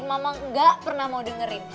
mama gak pernah mau dengerin